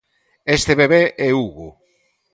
Este bebé é Hugo.